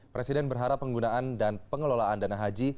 presiden berharap penggunaan dan pengelolaan dana haji